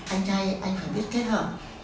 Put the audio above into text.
anh chay anh phải biết kết hợp